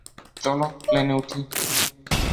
চল, প্লেনে উঠি।